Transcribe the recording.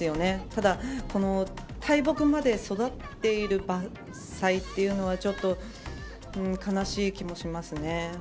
ただ大木まで育っている木の伐採というのはちょっと悲しい気もしますね。